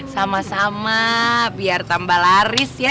sama sama biar tambah laris ya